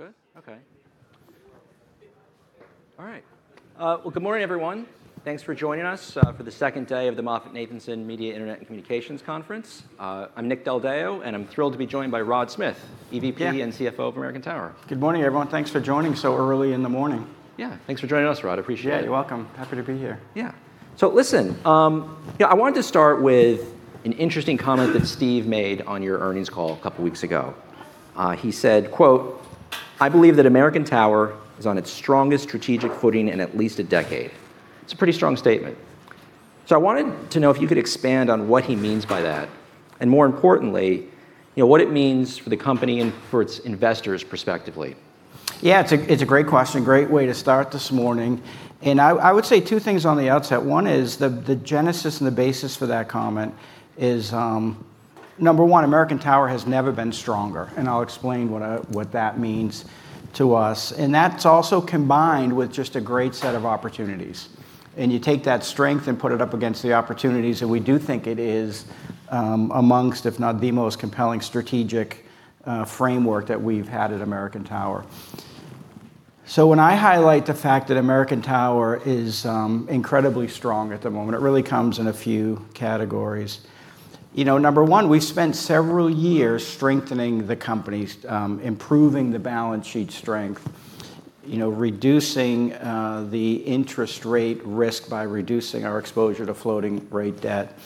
Good? Okay. All right. Well, good morning everyone. Thanks for joining us for the second day of the MoffettNathanson Media, Internet & Communications Conference. I'm Nick Del Deo, and I'm thrilled to be joined by Rodney M. Smith. Yeah EVP and CFO of American Tower. Good morning, everyone. Thanks for joining so early in the morning. Yeah. Thanks for joining us, Rod. I appreciate it. Yeah, you're welcome. Happy to be here. Yeah. Listen, you know, I wanted to start with an interesting comment that Steve made on your earnings call a couple weeks ago. He said, quote, "I believe that American Tower is on its strongest strategic footing in at least a decade." It's a pretty strong statement. I wanted to know if you could expand on what he means by that, and more importantly, you know, what it means for the company and for its investors perspectively. Yeah, it's a great question. Great way to start this morning. I would say two things on the outset. One is the genesis and the basis for that comment is number one, American Tower has never been stronger, and I'll explain what that means to us. That's also combined with just a great set of opportunities. You take that strength and put it up against the opportunities, and we do think it is amongst, if not the most compelling strategic framework that we've had at American Tower. When I highlight the fact that American Tower is incredibly strong at the moment, it really comes in a few categories. You know, number one, we've spent several years strengthening the company, improving the balance sheet strength, you know, reducing the interest rate risk by reducing our exposure to floating rate debt.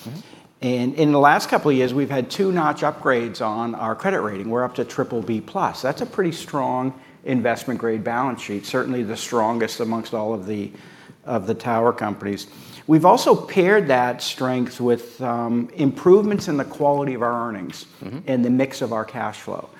In the last couple years, we've had two notch upgrades on our credit rating. We're up to BBB+. That's a pretty strong investment grade balance sheet. Certainly the strongest amongst all of the tower companies. We've also paired that strength with improvements in the quality of our earnings. The mix of our cash flow.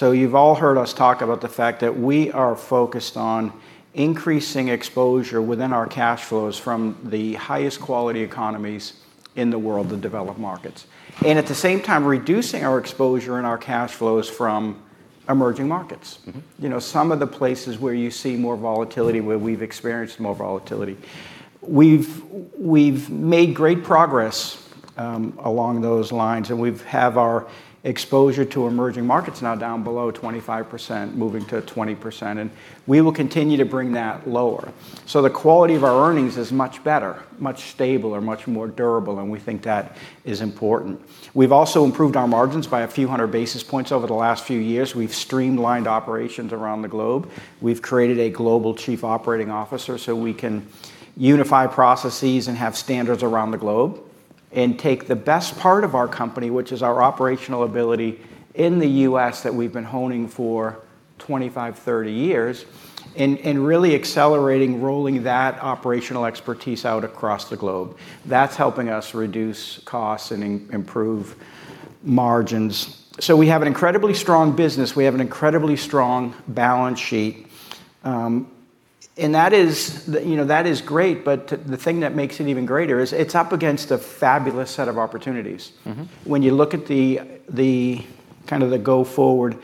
You've all heard us talk about the fact that we are focused on increasing exposure within our cash flows from the highest quality economies in the world, the developed markets. At the same time, reducing our exposure and our cash flows from emerging markets. You know, some of the places where you see more volatility, where we've experienced more volatility. We've made great progress along those lines, and we've have our exposure to emerging markets now down below 25%, moving to 20%, and we will continue to bring that lower. The quality of our earnings is much better, much stable or much more durable, and we think that is important. We've also improved our margins by a few hundred basis points over the last few years. We've streamlined operations around the globe. We've created a global chief operating officer so we can unify processes and have standards around the globe, and take the best part of our company, which is our operational ability in the U.S. that we've been honing for 25, 30 years, and really accelerating rolling that operational expertise out across the globe. That's helping us reduce costs and improve margins. We have an incredibly strong business. We have an incredibly strong balance sheet. That is, you know, that is great, but the thing that makes it even greater is it's up against a fabulous set of opportunities. When you look at the kind of the go forward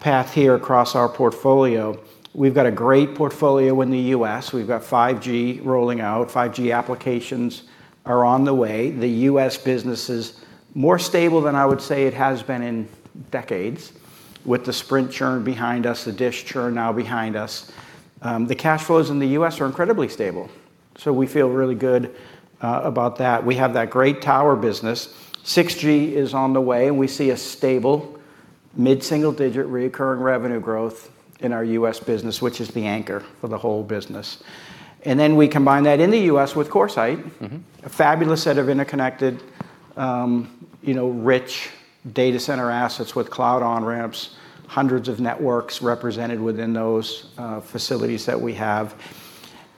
path here across our portfolio, we've got a great portfolio in the U.S. We've got 5G rolling out. 5G applications are on the way. The U.S. business is more stable than I would say it has been in decades, with the Sprint churn behind us, the Dish churn now behind us. The cash flows in the U.S. are incredibly stable. We feel really good about that. We have that great tower business. 6G is on the way, we see a stable mid-single digit reoccurring revenue growth in our U.S. business, which is the anchor for the whole business. We combine that in the U.S. with CoreSite. A fabulous set of interconnected, you know, rich data center assets with cloud on-ramps, hundreds of networks represented within those facilities that we have.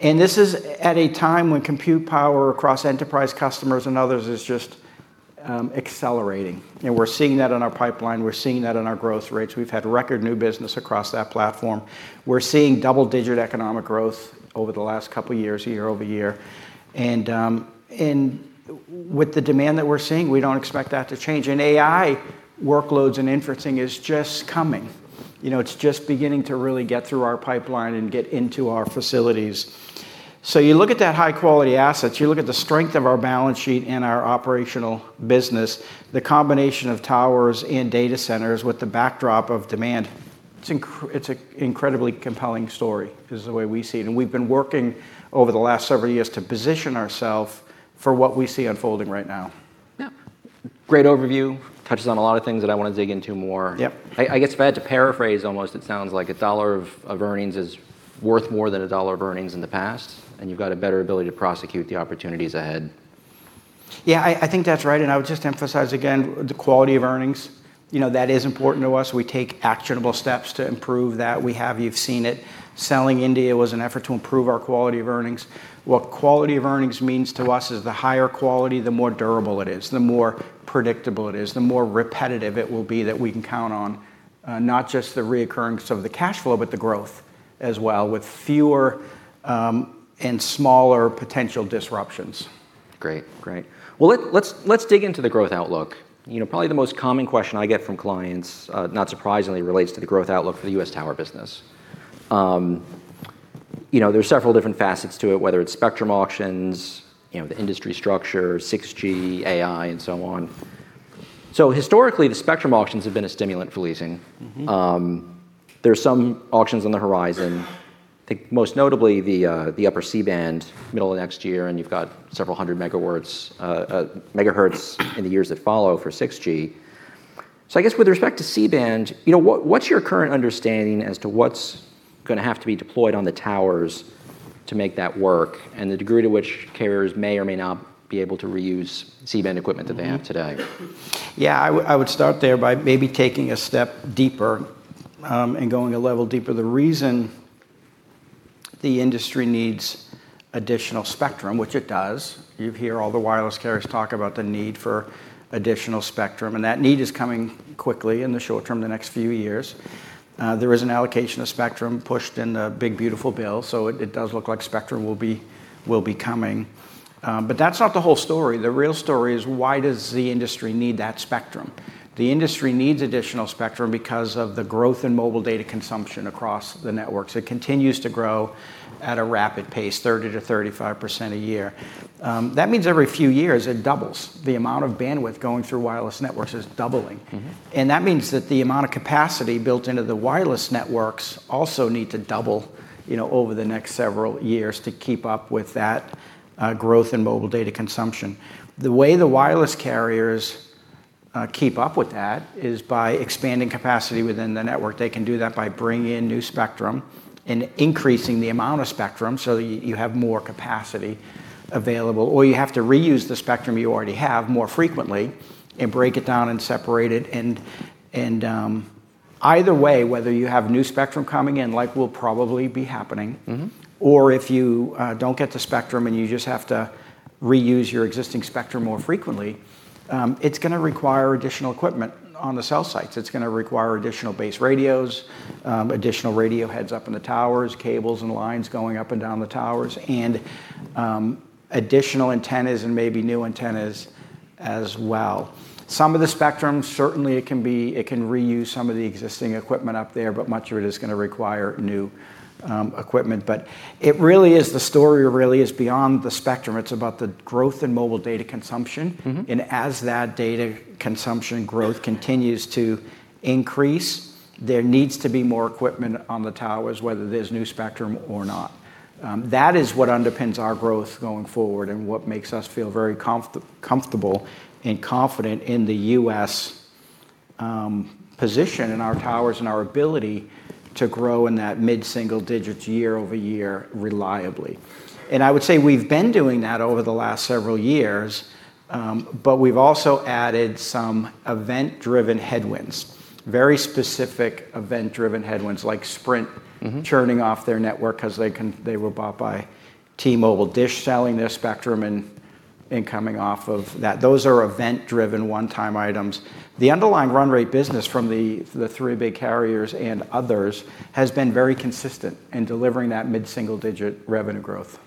This is at a time when compute power across enterprise customers and others is just accelerating. We're seeing that in our pipeline. We're seeing that in our growth rates. We've had record new business across that platform. We're seeing double-digit economic growth over the last couple years, year-over-year. With the demand that we're seeing, we don't expect that to change. AI workloads and inferencing is just coming. You know, it's just beginning to really get through our pipeline and get into our facilities. You look at that high quality assets, you look at the strength of our balance sheet and our operational business, the combination of towers and data centers with the backdrop of demand, it's an incredibly compelling story, is the way we see it. We've been working over the last several years to position ourselves for what we see unfolding right now. Yeah. Great overview. Touches on a lot of things that I want to dig into more. Yeah. I guess if I had to paraphrase almost, it sounds like $1 of earnings is worth more than $1 of earnings in the past, and you've got a better ability to prosecute the opportunities ahead. I think that's right. I would just emphasize again the quality of earnings. You know, that is important to us. We take actionable steps to improve that. We have. You've seen it. Selling India was an effort to improve our quality of earnings. What quality of earnings means to us is the higher quality, the more durable it is, the more predictable it is, the more repetitive it will be that we can count on, not just the reoccurrences of the cash flow, but the growth as well, with fewer and smaller potential disruptions. Great. Great. Let's dig into the growth outlook. You know, probably the most common question I get from clients, not surprisingly, relates to the growth outlook for the U.S. tower business. You know, there's several different facets to it, whether it's spectrum auctions, you know, the industry structure, 6G, AI, and so on. Historically, the spectrum auctions have been a stimulant for leasing. There's some auctions on the horizon. Think most notably the upper C-band, middle of next year, and you've got several hundred megawatts, megahertz in the years that follow for 6G. I guess with respect to C-band, you know, what's your current understanding as to what's gonna have to be deployed on the towers to make that work, and the degree to which carriers may or may not be able to reuse C-band equipment that they have today? Yeah, I would start there by maybe taking a step deeper and going a level deeper. The reason the industry needs additional spectrum, which it does, you hear all the wireless carriers talk about the need for additional spectrum, and that need is coming quickly in the short term, the next few years. There is an allocation of spectrum pushed in the uncertain it does look like spectrum will be coming. That's not the whole story. The real story is why does the industry need that spectrum? The industry needs additional spectrum because of the growth in mobile data consumption across the networks. It continues to grow at a rapid pace, 30%-35% a year. That means every few years it doubles. The amount of bandwidth going through wireless networks is doubling. That means that the amount of capacity built into the wireless networks also need to double, you know, over the next several years to keep up with that growth in mobile data consumption. The way the wireless carriers keep up with that is by expanding capacity within the network. They can do that by bringing in new spectrum and increasing the amount of spectrum so you have more capacity available. You have to reuse the spectrum you already have more frequently and break it down and separate it and, either way, whether you have new spectrum coming in, like will probably be happening. If you don't get the spectrum and you just have to reuse your existing spectrum more frequently, it's gonna require additional equipment on the cell sites. It's gonna require additional base radios, additional radio heads up in the towers, cables and lines going up and down the towers, and additional antennas and maybe new antennas as well. Some of the spectrum, certainly it can reuse some of the existing equipment up there, but much of it is gonna require new equipment. The story really is beyond the spectrum. It's about the growth in mobile data consumption. As that data consumption growth continues to increase, there needs to be more equipment on the towers, whether there's new spectrum or not. That is what underpins our growth going forward and what makes us feel very comfortable and confident in the U.S. position and our towers and our ability to grow in that mid-single digits year-over-year reliably. I would say we've been doing that over the last several years, but we've also added some event-driven headwinds. Very specific event-driven headwinds, like Sprint. Churning off their network 'cause they can they were bought by T-Mobile. Dish selling their spectrum and coming off of that. Those are event-driven one-time items. The underlying run rate business from the three big carriers and others has been very consistent in delivering that mid-single digit revenue growth.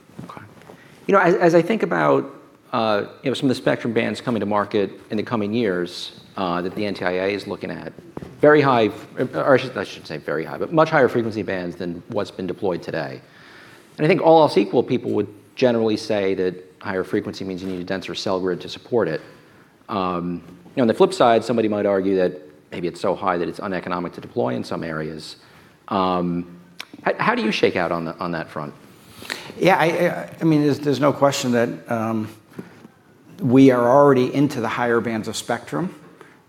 You know, as I think about, you know, some of the spectrum bands coming to market in the coming years, that the NTIA is looking at, very high, or I shouldn't say very high, but much higher frequency bands than what's been deployed today. I think all else equal, people would generally say that higher frequency means you need a denser cell grid to support it. You know, on the flip side, somebody might argue that maybe it's so high that it's uneconomic to deploy in some areas. How do you shake out on that front? I mean, there's no question that we are already into the higher bands of spectrum,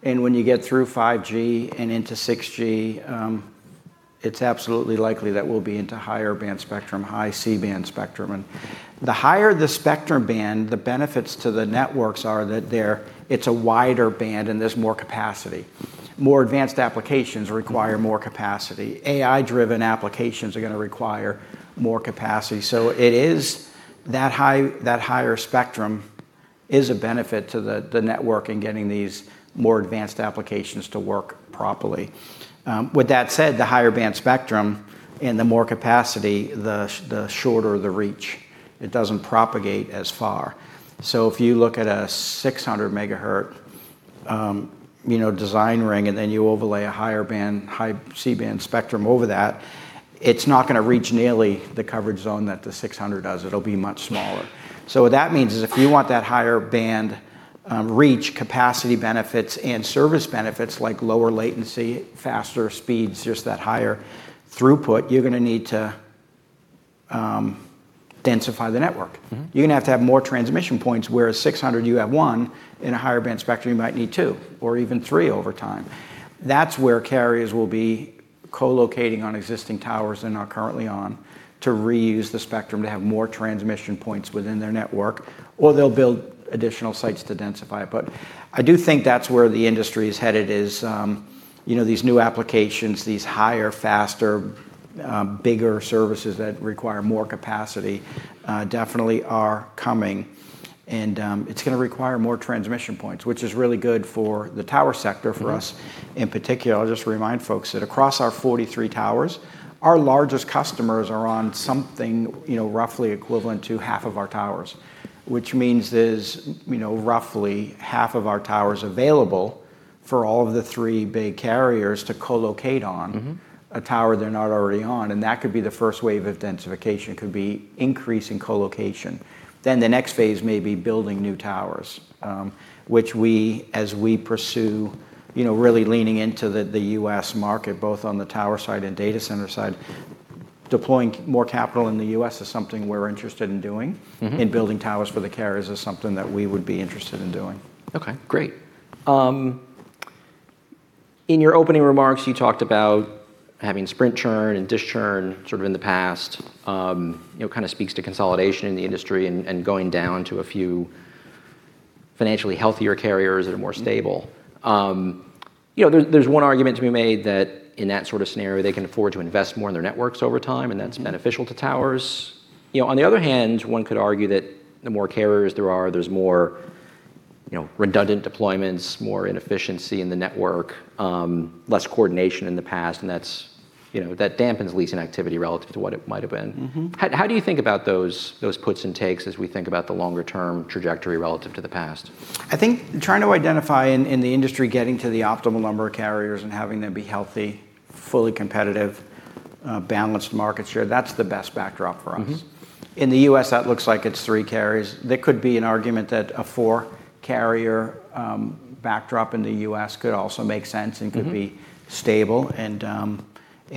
when you get through 5G and into 6G, it's absolutely likely that we'll be into higher band spectrum, high C-band spectrum. The higher the spectrum band, the benefits to the networks are that it's a wider band and there's more capacity. More advanced applications require more capacity. AI-driven applications are gonna require more capacity. It is that high, that higher spectrum is a benefit to the network in getting these more advanced applications to work properly. With that said, the higher band spectrum and the more capacity, the shorter the reach. It doesn't propagate as far. If you look at a 600 MHz, you know, design ring, and then you overlay a higher band, high C-band spectrum over that, it's not gonna reach nearly the coverage zone that the 600 MHz does. It'll be much smaller. What that means is if you want that higher band, reach, capacity benefits and service benefits like lower latency, faster speeds, just that higher throughput, you're gonna need to densify the network. You're gonna have to have more transmission points, whereas 600 MHz you have one, in a higher band spectrum you might need two or even three over time. That's where carriers will be co-locating on existing towers and are currently on to reuse the spectrum to have more transmission points within their network, or they'll build additional sites to densify it. I do think that's where the industry is headed is, you know, these new applications, these higher, faster, bigger services that require more capacity, definitely are coming and, it's gonna require more transmission points, which is really good for the tower sector, for us in particular. I'll just remind folks that across our 43 towers, our largest customers are on something, you know, roughly equivalent to half of our towers, which means there's, you know, roughly half of our towers available for all of the three big carriers to co-locate on. A tower they're not already on, that could be the first wave of densification, could be increase in co-location. The next phase may be building new towers, which we, as we pursue, you know, really leaning into the U.S. market both on the tower side and data center side. Deploying more capital in the U.S. is something we're interested in doing. Building towers for the carriers is something that we would be interested in doing. Okay. Great. In your opening remarks you talked about having Sprint churn and Dish churn sort of in the past. You know, kind of speaks to consolidation in the industry and going down to a few financially healthier carriers that are more stable. You know, there's one argument to be made that in that sort of scenario they can afford to invest more in their networks over time. That's beneficial to towers. You know, on the other hand, one could argue that the more carriers there are, there's more, you know, redundant deployments, more inefficiency in the network, less coordination than the past and that's, you know, that dampens leasing activity relative to what it might have been. How do you think about those puts and takes as we think about the longer term trajectory relative to the past? I think trying to identify in the industry getting to the optimal number of carriers and having them be healthy, fully competitive, balanced market share, that's the best backdrop for us. In the U.S. that looks like it's three carriers. There could be an argument that a four-carrier backdrop in the U.S. could also make sense. Could be stable.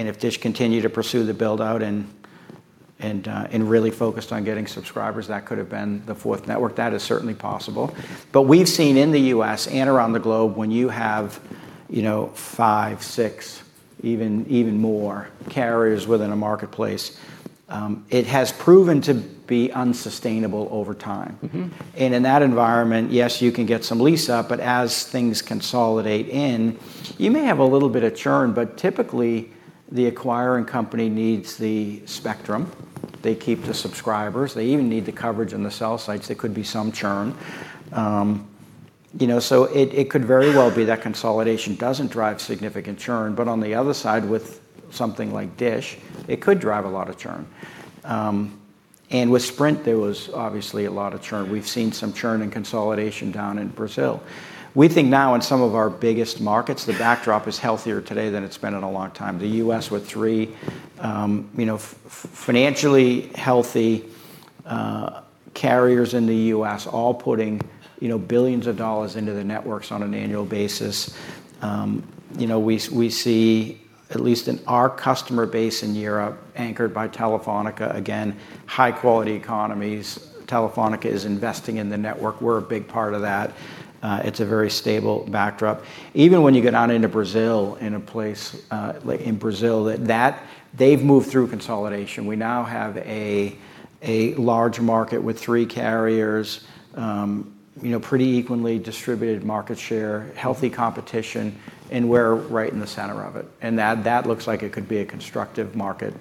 If Dish continued to pursue the build-out and really focused on getting subscribers, that could have been the fourth network. That is certainly possible. We've seen in the U.S. and around the globe when you have, you know, five, six, even more carriers within a marketplace, it has proven to be unsustainable over time. In that environment, yes, you can get some lease up, but as things consolidate in, you may have a little bit of churn, but typically the acquiring company needs the spectrum. They keep the subscribers. They even need the coverage in the cell sites. There could be some churn. You know, it could very well be that consolidation doesn't drive significant churn. On the other side with something like Dish, it could drive a lot of churn. With Sprint there was obviously a lot of churn. We've seen some churn in consolidation down in Brazil. We think now in some of our biggest markets the backdrop is healthier today than it's been in a long time. The U.S. with three financially healthy carriers in the U.S. all putting billions of dollars into the networks on an annual basis. We see at least in our customer base in Europe anchored by Telefónica, again, high quality economies. Telefónica is investing in the network. We're a big part of that. It's a very stable backdrop. Even when you get down into Brazil in a place like in Brazil that they've moved through consolidation. We now have a large market with three carriers. Pretty equally distributed market share, healthy competition, and we're right in the center of it. That looks like it could be a constructive market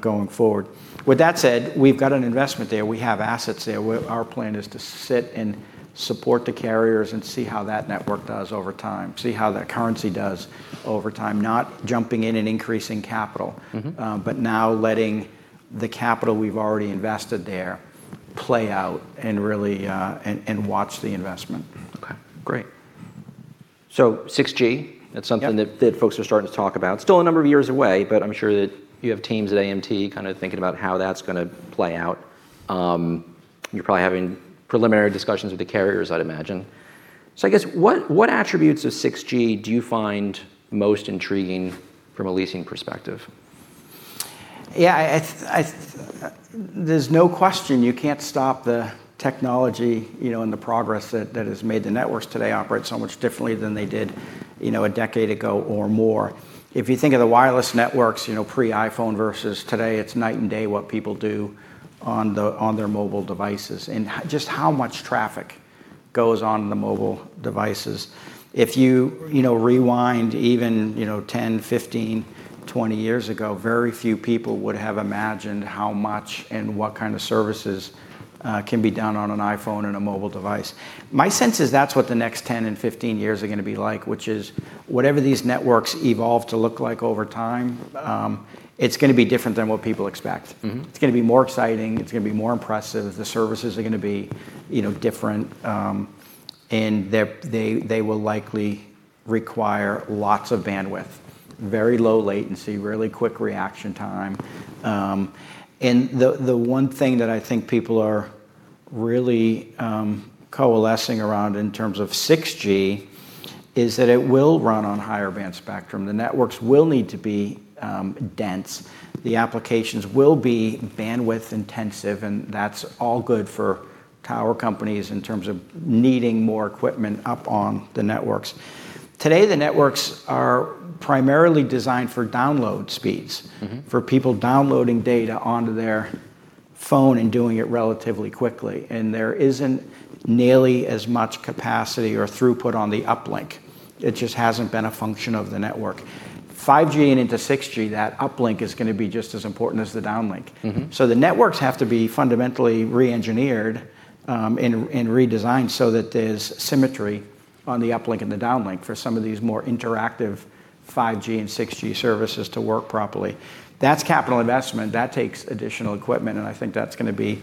going forward. With that said, we've got an investment there. We have assets there. Our plan is to sit and support the carriers, and see how that network does over time, see how that currency does over time. Not jumping in and increasing capital. Now letting the capital we've already invested there play out and really, and watch the investment. Okay. Great. 6G. Yeah. That's something that folks are starting to talk about. Still a number of years away, but I'm sure that you have teams at AMT kind of thinking about how that's going to play out. You're probably having preliminary discussions with the carriers I'd imagine. I guess what attributes of 6G do you find most intriguing from a leasing perspective? Yeah, there's no question you can't stop the technology, you know, and the progress that has made the networks today operate so much differently than they did, you know, a decade ago or more. If you think of the wireless networks, you know, pre-iPhone versus today, it's night and day what people do on their mobile devices, and just how much traffic goes on the mobile devices. If you know, rewind even, you know, 10, 15, 20 years ago, very few people would have imagined how much and what kind of services can be done on an iPhone and a mobile device. My sense is that's what the next 10 and 15 years are gonna be like, which is whatever these networks evolve to look like over time, it's gonna be different than what people expect. It's gonna be more exciting. It's gonna be more impressive. The services are gonna be, you know, different. They're, they will likely require lots of bandwidth, very low latency, really quick reaction time. The one thing that I think people are really coalescing around in terms of 6G is that it will run on higher band spectrum. The networks will need to be dense. The applications will be bandwidth intensive, and that's all good for tower companies in terms of needing more equipment up on the networks. Today the networks are primarily designed for download speeds. For people downloading data onto their phone and doing it relatively quickly, there isn't nearly as much capacity or throughput on the uplink. It just hasn't been a function of the network. 5G and into 6G, that uplink is gonna be just as important as the downlink. The networks have to be fundamentally re-engineered and redesigned so that there's symmetry on the uplink and the downlink for some of these more interactive 5G and 6G services to work properly. That's capital investment. That takes additional equipment, and I think that's gonna be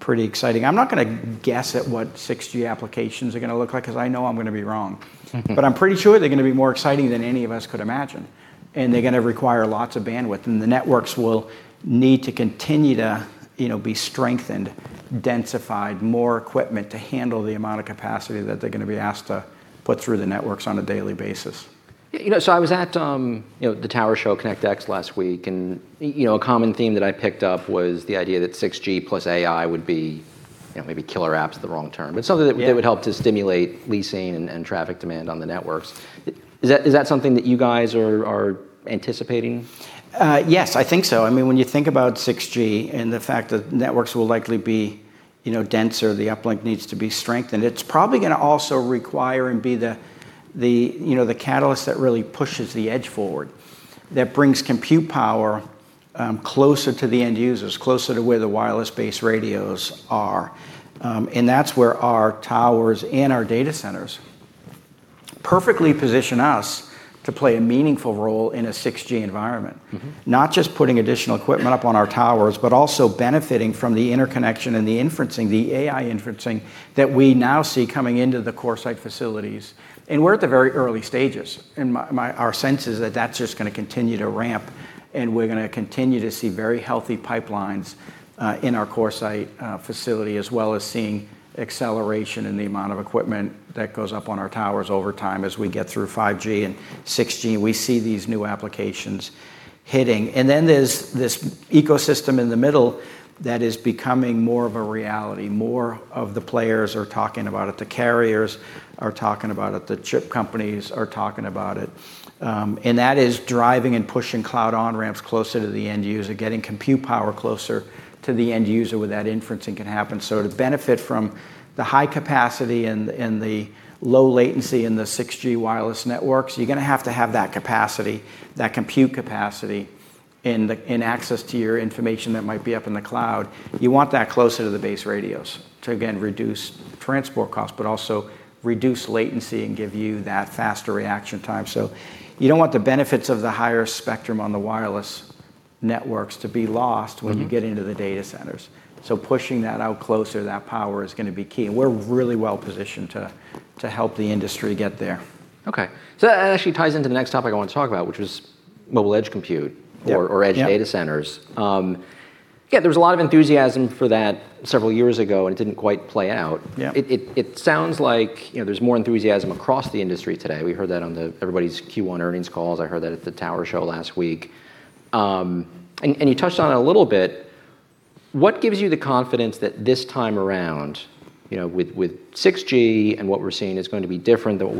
pretty exciting. I'm not gonna guess at what 6G applications are gonna look like, because I know I'm gonna be wrong. I'm pretty sure they're gonna be more exciting than any of us could imagine, and they're gonna require lots of bandwidth. The networks will need to continue to, you know, be strengthened, densified, more equipment to handle the amount of capacity that they're gonna be asked to put through the networks on a daily basis. Yeah, you know, I was at, you know, the tower show Connect (X) last week and you know, a common theme that I picked up was the idea that 6G plus AI would be, you know, maybe killer app's the wrong term, but something. Yeah That would help to stimulate leasing and traffic demand on the networks. Is that something that you guys are anticipating? Yes, I think so. When you think about 6G and the fact that networks will likely be, you know, denser, the uplink needs to be strengthened, it's probably gonna also require and be the, you know, the catalyst that really pushes the edge forward, that brings compute power closer to the end users, closer to where the wireless-based radios are. That's where our towers and our data centers perfectly position us to play a meaningful role in a 6G environment. Not just putting additional equipment up on our towers, but also benefiting from the interconnection and the inferencing, the AI inferencing, that we now see coming into the CoreSite facilities. We're at the very early stages, our sense is that that's just gonna continue to ramp, and we're gonna continue to see very healthy pipelines in our CoreSite facility, as well as seeing acceleration in the amount of equipment that goes up on our towers over time as we get through 5G and 6G, we see these new applications hitting. There's this ecosystem in the middle that is becoming more of a reality. More of the players are talking about it. The carriers are talking about it. The chip companies are talking about it. That is driving and pushing cloud on-ramps closer to the end user, getting compute power closer to the end user where that inferencing can happen. To benefit from the high capacity and the low latency in the 6G wireless networks, you're gonna have to have that capacity, that compute capacity and access to your information that might be up in the cloud. You want that closer to the base radios to, again, reduce transport costs, but also reduce latency and give you that faster reaction time. You don't want the benefits of the higher spectrum on the wireless networks to be lost when you get into the data centers. Pushing that out closer to that power is gonna be key, and we're really well positioned to help the industry get there. Okay. That actually ties into the next topic I want to talk about, which was mobile edge computing. Yep. Yep. Or Edge Data Centers. Yeah, there was a lot of enthusiasm for that several years ago, and it didn't quite play out. Yeah. It sounds like, you know, there's more enthusiasm across the industry today. We heard that on everybody's Q1 earnings calls. I heard that at the tower show last week. You touched on it a little bit. What gives you the confidence that this time around, you know, with 6G and what we're seeing is going to be different than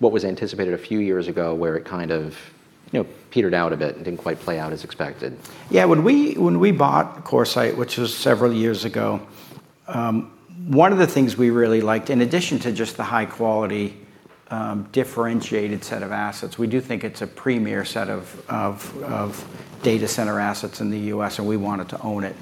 what was anticipated a few years ago, where it kind of, you know, petered out a bit and didn't quite play out as expected? Yeah, when we bought CoreSite, which was several years ago, one of the things we really liked, in addition to just the high quality, differentiated set of assets, we do think it's a premier set of data center assets in the U.S., and we wanted to own it.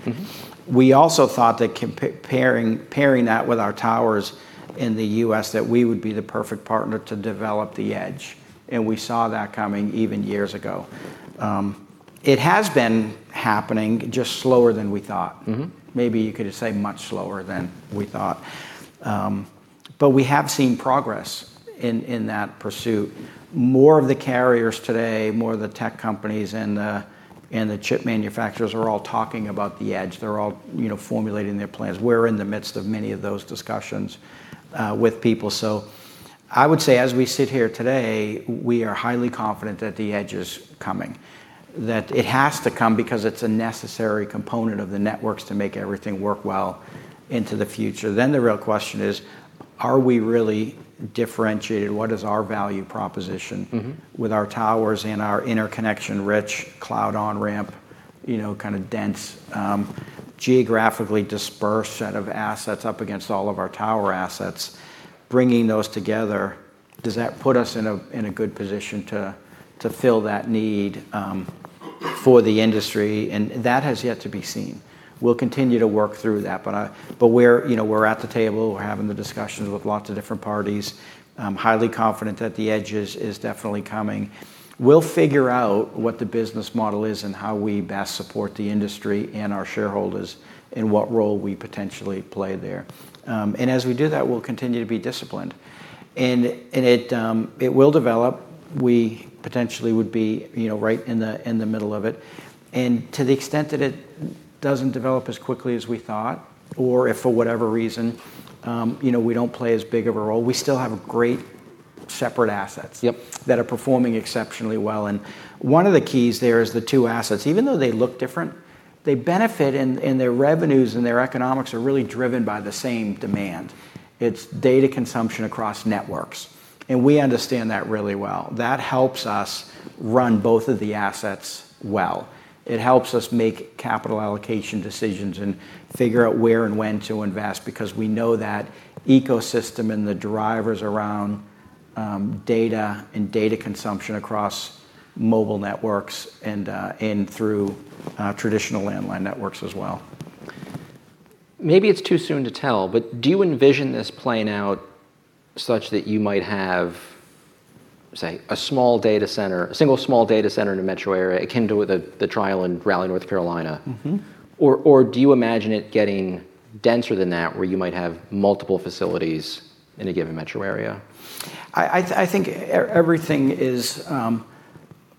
We also thought that pairing that with our towers in the U.S., that we would be the perfect partner to develop the Edge, and we saw that coming even years ago. It has been happening, just slower than we thought. Maybe you could just say much slower than we thought. We have seen progress in that pursuit. More of the carriers today, more of the tech companies and the, and the chip manufacturers are all talking about the Edge. They're all, you know, formulating their plans. We're in the midst of many of those discussions with people. I would say as we sit here today, we are highly confident that the edge is coming, that it has to come because it's a necessary component of the networks to make everything work well into the future. The real question is, are we really differentiated? What is our value proposition. With our towers and our interconnection-rich cloud on-ramps, you know, kinda dense, geographically dispersed set of assets up against all of our tower assets, bringing those together, does that put us in a, in a good position to fill that need for the industry? That has yet to be seen. We'll continue to work through that. We're, you know, we're at the table. We're having the discussions with lots of different parties. I'm highly confident that the edge is definitely coming. We'll figure out what the business model is and how we best support the industry and our shareholders and what role we potentially play there. As we do that, we'll continue to be disciplined. It will develop. We potentially would be, you know, right in the, in the middle of it. To the extent that it doesn't develop as quickly as we thought, or if for whatever reason, you know, we don't play as big of a role, we still have great separate assets. Yep That are performing exceptionally well. One of the keys there is the two assets. Even though they look different, they benefit in their revenues, and their economics are really driven by the same demand. It's data consumption across networks, and we understand that really well. That helps us run both of the assets well. It helps us make capital allocation decisions and figure out where and when to invest, because we know that ecosystem and the drivers around data and data consumption across mobile networks and through traditional landline networks as well. Maybe it's too soon to tell, do you envision this playing out such that you might have, say, a small data center, a single small data center in a metro area, akin to the trial in Raleigh, N.C.? Do you imagine it getting denser than that, where you might have multiple facilities in a given metro area? I think everything is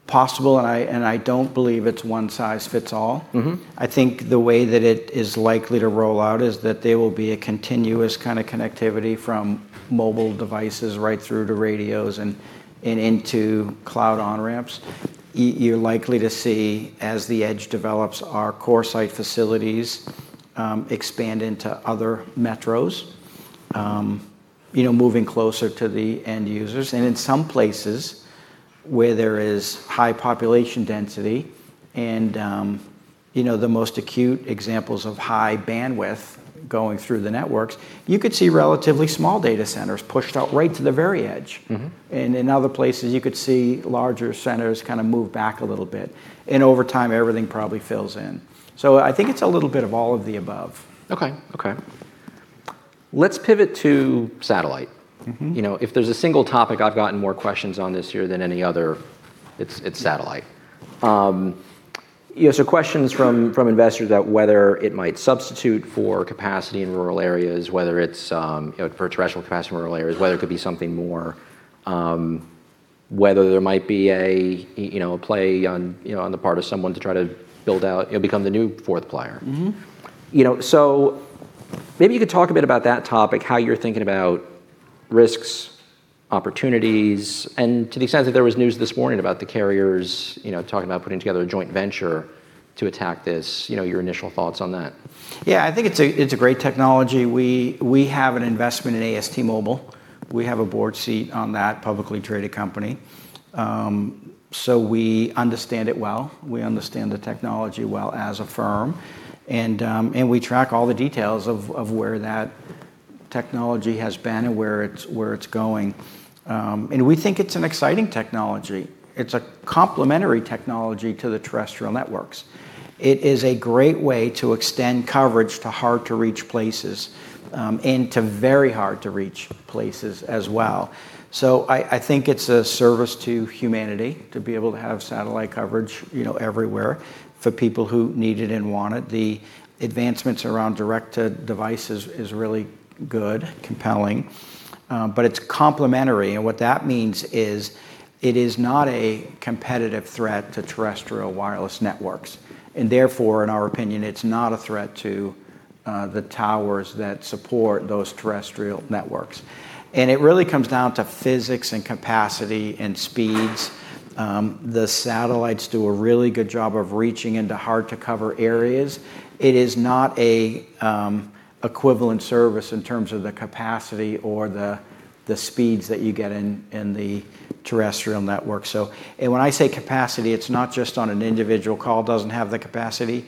possible, and I don't believe it's one size fits all. I think the way that it is likely to roll out is that there will be a continuous kind of connectivity from mobile devices right through to radios and into cloud on-ramps. You're likely to see, as the Edge develops, our CoreSite facilities, you know, expand into other metros, moving closer to the end users. In some places where there is high population density and, you know, the most acute examples of high bandwidth going through the networks, you could see relatively small data centers pushed out right to the very edge. In other places you could see larger centers kind of move back a little bit, and over time everything probably fills in. I think it's a little bit of all of the above. Okay. Okay. Let's pivot to satellite. You know, if there's a single topic I've gotten more questions on this year than any other, it's satellite. Questions from investors about whether it might substitute for capacity in rural areas, whether it's, you know, for terrestrial capacity in rural areas, whether it could be something more, whether there might be a, you know, a play on the part of someone to try to build out, you know, become the new fourth player. You know, maybe you could talk a bit about that topic, how you're thinking about risks, opportunities, and to the extent that there was news this morning about the carriers, you know, talking about putting together a joint venture to attack this, you know, your initial thoughts on that. I think it's a great technology. We have an investment in AST SpaceMobile. We have a board seat on that publicly traded company. We understand it well. We understand the technology well as a firm and we track all the details of where that technology has been and where it's going. We think it's an exciting technology. It's a complementary technology to the terrestrial networks. It is a great way to extend coverage to hard to reach places and to very hard to reach places as well. I think it's a service to humanity to be able to have satellite coverage, you know, everywhere for people who need it and want it. The advancements around direct-to-device is really good, compelling. It's complementary, and what that means is it is not a competitive threat to terrestrial wireless networks, and therefore, in our opinion, it's not a threat to the towers that support those terrestrial networks. It really comes down to physics and capacity and speeds. The satellites do a really good job of reaching into hard to cover areas. It is not a equivalent service in terms of the capacity or the speeds that you get in the terrestrial network. When I say capacity, it's not just on an individual call doesn't have the capacity.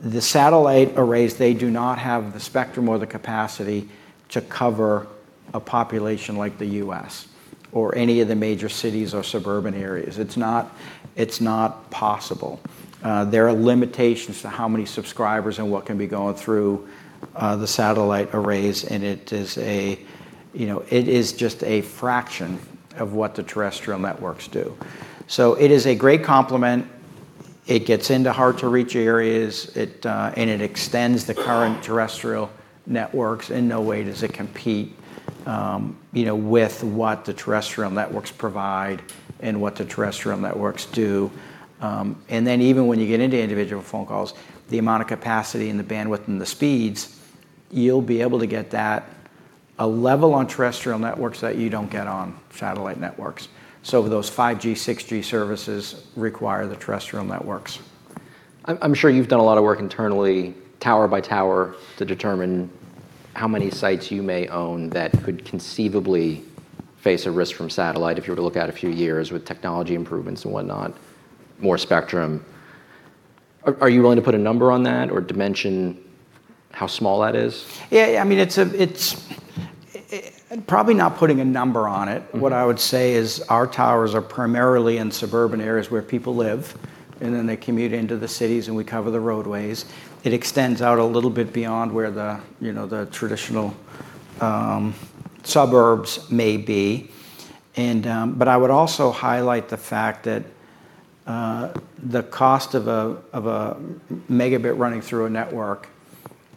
The satellite arrays, they do not have the spectrum or the capacity to cover a population like the U.S. or any of the major cities or suburban areas. It's not possible. There are limitations to how many subscribers and what can be going through the satellite arrays, and it is just a fraction of what the terrestrial networks do. It is a great complement. It gets into hard to reach areas. It extends the current terrestrial networks. In no way does it compete with what the terrestrial networks provide and what the terrestrial networks do. Even when you get into individual phone calls, the amount of capacity and the bandwidth and the speeds, you'll be able to get that a level on terrestrial networks that you don't get on satellite networks. Those 5G, 6G services require the terrestrial networks. I'm sure you've done a lot of work internally, tower by tower, to determine how many sites you may own that could conceivably face a risk from satellite, if you were to look out a few years with technology improvements and whatnot, more spectrum. Are you willing to put a number on that or dimension how small that is? Yeah, yeah, I mean, it's probably not putting a number on it. What I would say is our towers are primarily in suburban areas where people live, and then they commute into the cities, and we cover the roadways. It extends out a little bit beyond where the, you know, the traditional suburbs may be. But I would also highlight the fact that the cost of a megabit running through a network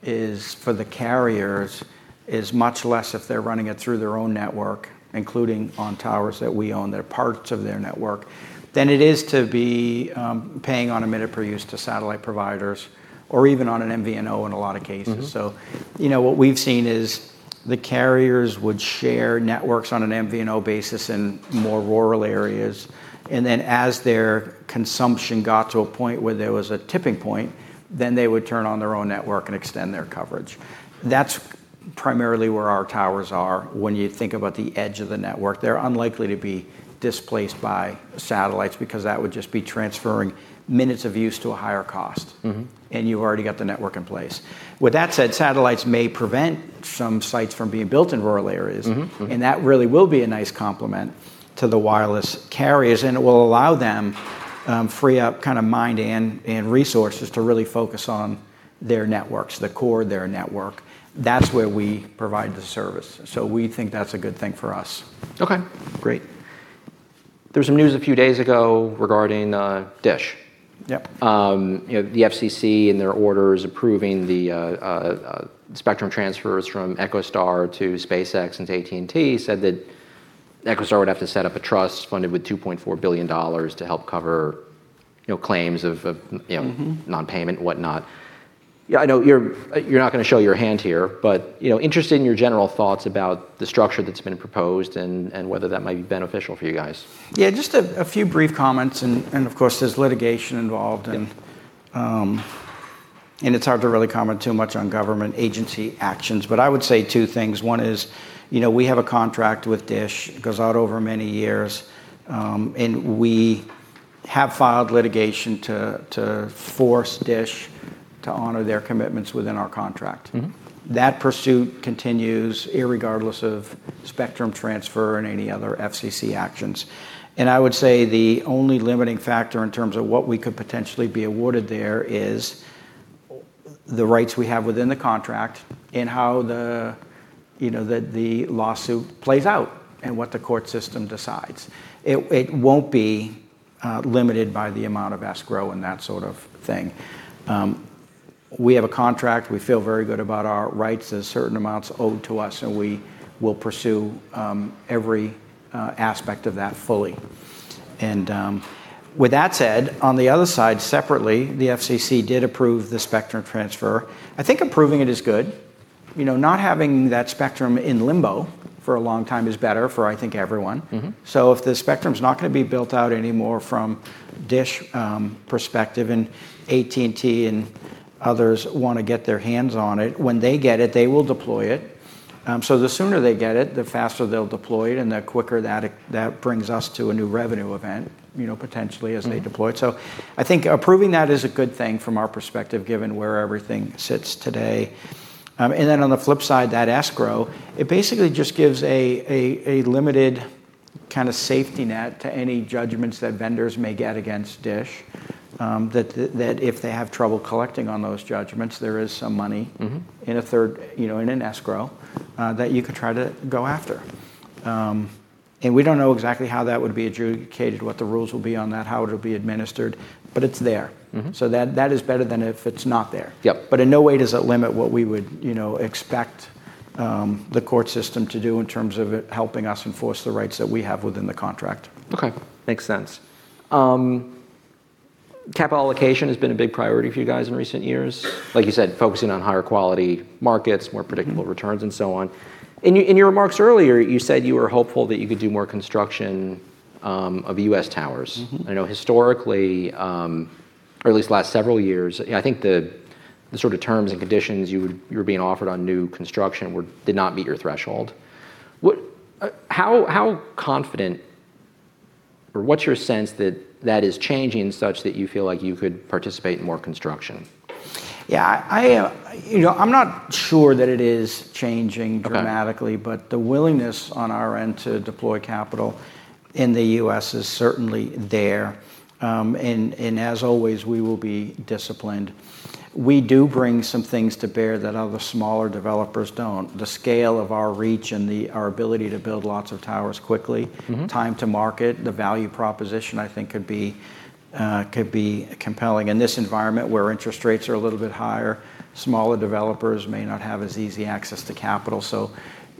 is, for the carriers, is much less if they're running it through their own network, including on towers that we own that are parts of their network, than it is to be paying on a minute per use to satellite providers or even on an MVNO in a lot of cases. You know, what we've seen is the carriers would share networks on an MVNO basis in more rural areas, and then as their consumption got to a point where there was a tipping point, then they would turn on their own network and extend their coverage. That's primarily where our towers are. When you think about the edge of the network, they're unlikely to be displaced by satellites because that would just be transferring minutes of use to a higher cost. You've already got the network in place. With that said, satellites may prevent some sites from being built in rural areas. Mm-hmm. Mm-hmm. That really will be a nice complement to the wireless carriers, and it will allow them, free up kind of mind and resources to really focus on their networks, the core of their network. That's where we provide the service. We think that's a good thing for us. Okay, great. There was some news a few days ago regarding Dish. Yep. You know, the FCC and their orders approving the spectrum transfers from EchoStar to SpaceX and to AT&T said that EchoStar would have to set up a trust funded with $2.4 billion to help cover, you know, claims of you know, non-payment and whatnot. Yeah, I know you're not gonna show your hand here, but, you know, interested in your general thoughts about the structure that's been proposed and whether that might be beneficial for you guys. Yeah, just a few brief comments and of course, there's litigation involved. Yep It's hard to really comment too much on government agency actions. I would say two things. One is, you know, we have a contract with Dish. It goes out over many years, and we have filed litigation to force Dish to honor their commitments within our contract. That pursuit continues regardless of spectrum transfer and any other FCC actions. I would say the only limiting factor in terms of what we could potentially be awarded there is the rights we have within the contract and how the lawsuit plays out and what the court system decides. It won't be limited by the amount of escrow and that sort of thing. We have a contract. We feel very good about our rights. There's certain amounts owed to us, we will pursue every aspect of that fully. With that said, on the other side, separately, the FCC did approve the spectrum transfer. I think approving it is good. You know, not having that spectrum in limbo for a long time is better for, I think, everyone. If the spectrum's not gonna be built out anymore from Dish, perspective and AT&T and others want to get their hands on it, when they get it, they will deploy it. The sooner they get it, the faster they'll deploy it, and the quicker that brings us to a new revenue event, you know, potentially as they deploy it. I think approving that is a good thing from our perspective, given where everything sits today. On the flip side, that escrow, it basically just gives a limited kind of safety net to any judgments that vendors may get against Dish. If they have trouble collecting on those judgments, there is some money. In a third, you know, in an escrow, that you could try to go after. We don't know exactly how that would be adjudicated, what the rules will be on that, how it'll be administered, but it's there. That is better than if it's not there. Yep. In no way does it limit what we would, you know, expect, the court system to do in terms of it helping us enforce the rights that we have within the contract. Okay. Makes sense. Capital allocation has been a big priority for you guys in recent years. Like you said, focusing on higher quality markets, more predictable returns, and so on. In your remarks earlier, you said you were hopeful that you could do more construction of U.S. towers. I know historically, or at least the last several years, I think the sort of terms and conditions you were being offered on new construction did not meet your threshold. How confident or what's your sense that that is changing such that you feel like you could participate in more construction? I, you know, I'm not sure that it is changing dramatically. Okay. The willingness on our end to deploy capital in the U.S. is certainly there. And as always, we will be disciplined. We do bring some things to bear that other smaller developers don't. The scale of our reach and our ability to build lots of towers quickly. Time to market, the value proposition, I think could be, could be compelling. In this environment where interest rates are a little bit higher, smaller developers may not have as easy access to capital.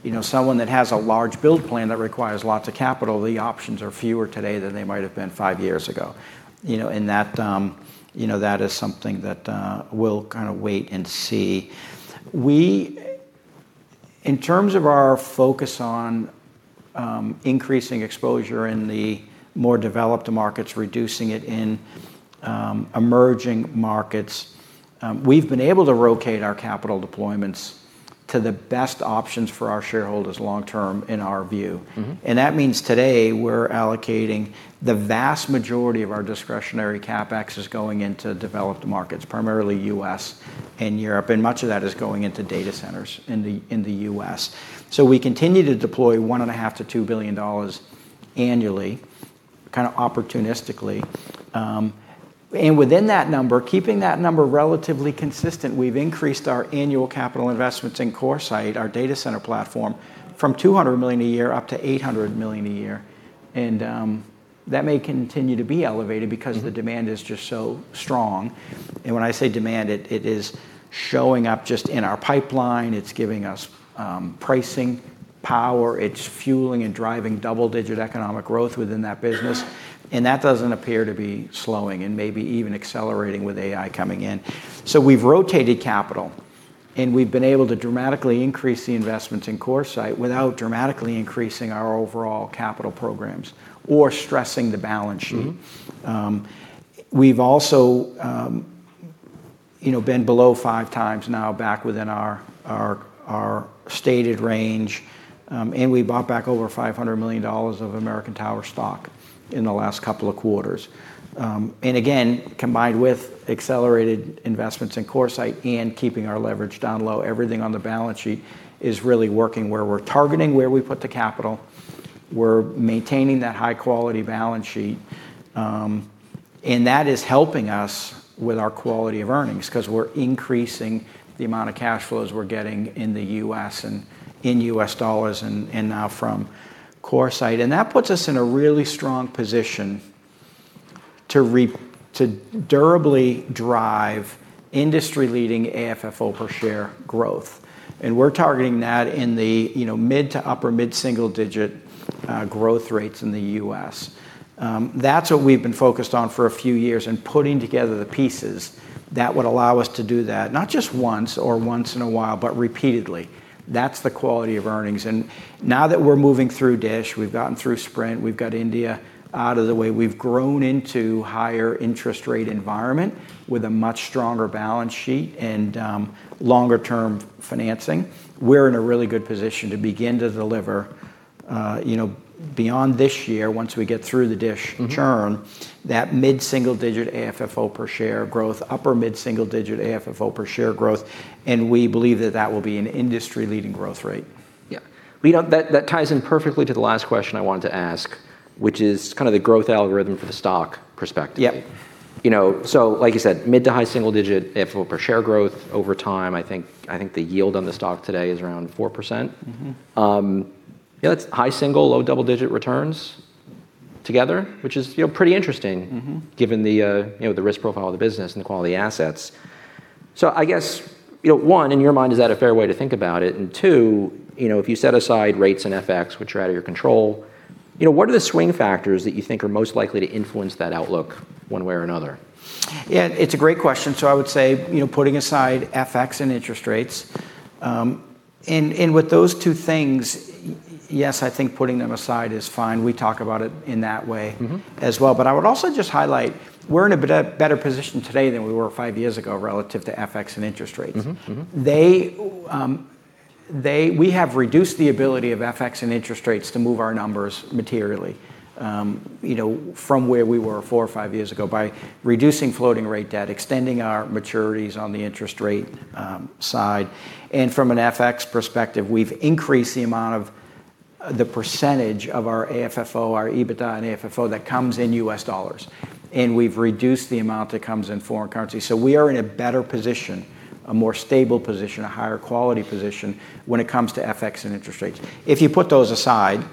You know, someone that has a large build plan that requires lots of capital, the options are fewer today than they might have been five years ago. You know, you know, that is something that we'll kind of wait and see. In terms of our focus on increasing exposure in the more developed markets, reducing it in emerging markets, we've been able to rotate our capital deployments to the best options for our shareholders long term, in our view. That means today we're allocating the vast majority of our discretionary CapEx is going into developed markets, primarily U.S. and Europe, and much of that is going into data centers in the U.S. We continue to deploy $1.5 billion-$2 billion annually, kind of opportunistically. And within that number, keeping that number relatively consistent, we've increased our annual capital investments in CoreSite, our data center platform, from $200 million a year up to $800 million a year. That may continue to be elevated because the demand is just so strong. When I say demand, it is showing up just in our pipeline. It's giving us pricing power. It's fueling and driving double-digit economic growth within that business, and that doesn't appear to be slowing and maybe even accelerating with AI coming in. We've rotated capital, and we've been able to dramatically increase the investments in CoreSite without dramatically increasing our overall capital programs or stressing the balance sheet. We've also been below five times now back within our stated range. We bought back over $500 million of American Tower stock in the last couple of quarters. Combined with accelerated investments in CoreSite and keeping our leverage down low, everything on the balance sheet is really working where we're targeting, where we put the capital. We're maintaining that high quality balance sheet, and that is helping us with our quality of earnings 'cause we're increasing the amount of cash flows we're getting in the U.S. and in U.S. dollars and now from CoreSite. That puts us in a really strong position to durably drive industry-leading AFFO per share growth, and we're targeting that in the mid to upper mid-single-digit growth rates in the U.S. That's what we've been focused on for a few years, and putting together the pieces that would allow us to do that, not just once or once in a while, but repeatedly. That's the quality of earnings. Now that we're moving through Dish, we've gotten through Sprint, we've got India out of the way, we've grown into higher interest rate environment with a much stronger balance sheet and longer term financing, we're in a really good position to begin to deliver, you know, beyond this year once we get through the Dish churn. That mid-single digit AFFO per share growth, upper mid-single digit AFFO per share growth, and we believe that that will be an industry-leading growth rate. Yeah. Well, you know, that ties in perfectly to the last question I wanted to ask, which is kind of the growth algorithm for the stock perspective. Yeah. You know, like you said, mid to high single digit AFFO per share growth over time. I think the yield on the stock today is around 4%. Yeah, that's high single, low double digit returns together. Which is, you know, pretty interesting. Given the, you know, the risk profile of the business and the quality of the assets. I guess, you know, one, in your mind, is that a fair way to think about it? Two, you know, if you set aside rates and FX, which are out of your control, you know, what are the swing factors that you think are most likely to influence that outlook one way or another? Yeah, it's a great question. I would say, you know, putting aside FX and interest rates, and with those two things, yes, I think putting them aside is fine as well. I would also just highlight we're in a better position today than we were five years ago relative to FX and interest rates. Mm-hmm, mm-hmm. We have reduced the ability of FX and interest rates to move our numbers materially, you know, from where we were four or five years ago by reducing floating rate debt, extending our maturities on the interest rate side. From an FX perspective, we've increased the amount of the percentage of our AFFO, our EBITDA and AFFO that comes in U.S. dollars, and we've reduced the amount that comes in foreign currency. We are in a better position, a more stable position, a higher quality position when it comes to FX and interest rates. If you put those aside,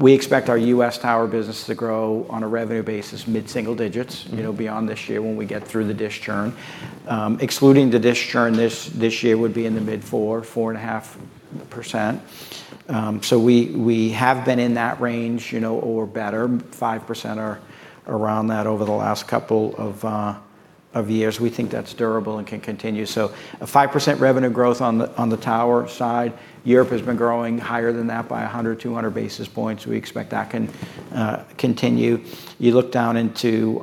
we expect our U.S. tower business to grow on a revenue basis mid-single digits. You know, beyond this year when we get through the Dish churn. Excluding the Dish churn, this year would be in the mid 4.5%. We have been in that range, you know, or better, 5% or around that over the last couple of years. We think that's durable and can continue. A 5% revenue growth on the tower side. Europe has been growing higher than that by 100, 200 basis points. We expect that can continue. You look down into,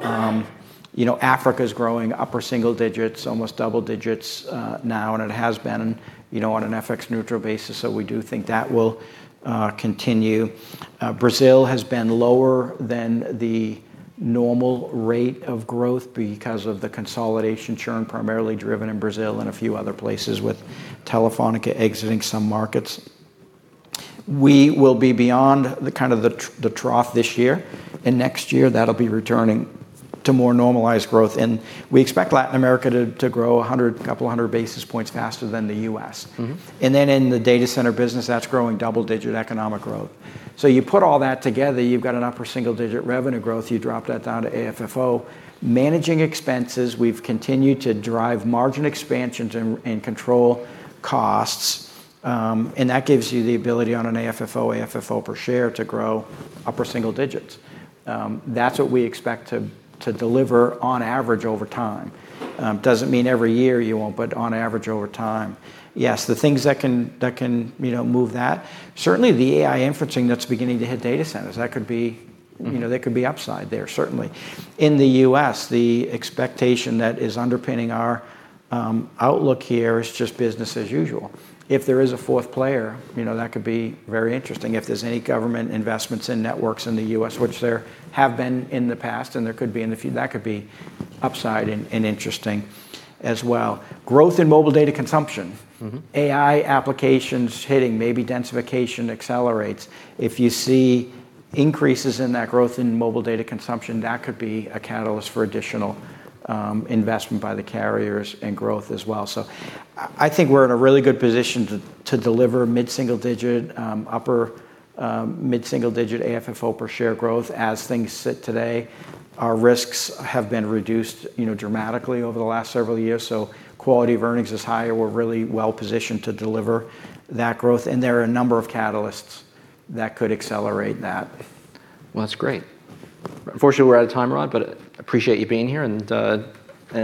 you know, Africa's growing upper single digits, almost double digits now. It has been, you know, on an FX neutral basis. We do think that will continue. Brazil has been lower than the normal rate of growth because of the consolidation churn primarily driven in Brazil and a few other places with Telefónica exiting some markets. We will be beyond the kind of the trough this year, and next year that'll be returning to more normalized growth. We expect Latin America to grow 100, 200 basis points faster than the U.S. In the data center business, that's growing double-digit economic growth. You put all that together, you've got an upper single-digit revenue growth. You drop that down to AFFO. Managing expenses, we've continued to drive margin expansions and control costs, and that gives you the ability on an AFFO per share to grow upper single digits. That's what we expect to deliver on average over time. Doesn't mean every year you won't, but on average over time. The things that can, you know, move that, certainly the AI inferencing that's beginning to hit data centers, that could be. You know, there could be upside there certainly. In the U.S., the expectation that is underpinning our outlook here is just business as usual. If there is a fourth player, you know, that could be very interesting. If there's any government investments in networks in the U.S., which there have been in the past and there could be in that could be upside and interesting as well. Growth in mobile data consumption. AI applications hitting, maybe densification accelerates. If you see increases in that growth in mobile data consumption, that could be a catalyst for additional investment by the carriers and growth as well. I think we're in a really good position to deliver mid-single-digit, upper mid-single-digit AFFO per share growth as things sit today. Our risks have been reduced, you know, dramatically over the last several years, so quality of earnings is higher. We're really well positioned to deliver that growth, and there are a number of catalysts that could accelerate that. Well, that's great. Unfortunately, we're out of time, Rod, but appreciate you being here.